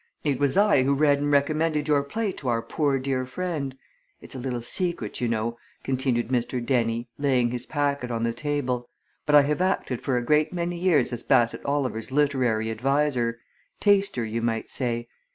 It was I who read and recommended your play to our poor dear friend. It's a little secret, you know," continued Mr. Dennie, laying his packet on the table, "but I have acted for a great many years as Bassett Oliver's literary adviser taster, you might say.